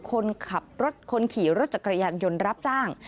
คนขับรถคนขี่รถจักรยานยนต์รับจ้าง